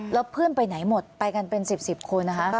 แล้วเพื่อนไปไหนหมดไปกันเป็น๑๐คนนะคะ